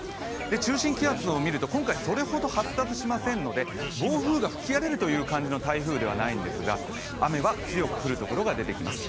中心気圧を見ると今回それほど発達しませんので暴風雨が吹き荒れるという感じの台風ではないんですが雨は強く降るところが出てきます。